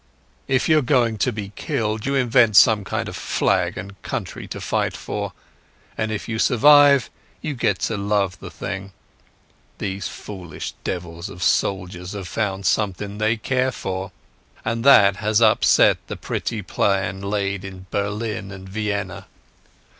If you're going to be killed you invent some kind of flag and country to fight for, and if you survive you get to love the thing. Those foolish devils of soldiers have found something they care for, and that has upset the pretty plan laid in Berlin and Vienna.